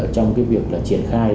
trong việc triển khai